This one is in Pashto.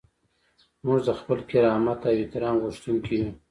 موږ د خپل کرامت او احترام غوښتونکي یو.